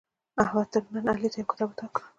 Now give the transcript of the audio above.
احمد نن علي ته یو کتاب اعطا کړ.